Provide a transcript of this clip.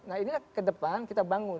nah inilah ke depan kita bangun